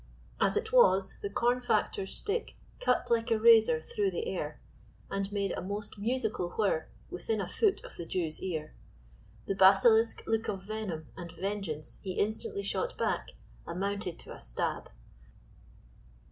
As it was, the corn factor's stick cut like a razor through the air, and made a most musical whirr within a foot of the Jew's ear. The basilisk look of venom and vengeance he instantly shot back amounted to a stab.